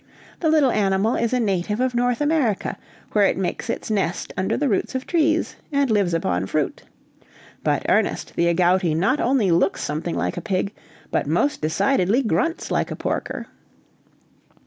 The little animal is a native of North America, where it makes its nest under the roots of trees, and lives upon fruit. But, Ernest, the agouti not only looks something like a pig, but most decidedly grunts like a porker."